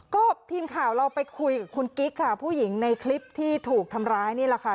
ก็ทีมข่าวเราไปคุยกับคุณกิ๊กค่ะผู้หญิงในคลิปที่ถูกทำร้ายนี่แหละค่ะ